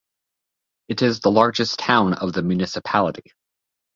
It is the largest town of the municipality.